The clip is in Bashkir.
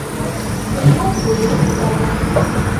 Һуҡмаҫ һуйыл күтәргән.